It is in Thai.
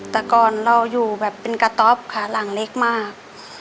แต่ก่อนเราอยู่แบบเป็นกระต๊อปค่ะหลังเล็กมาก